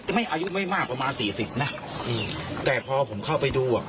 ไม่อายุไม่มากประมาณสี่สิบนะอืมแต่พอผมเข้าไปดูอ่ะ